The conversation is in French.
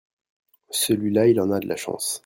celui-là il en a de la chance.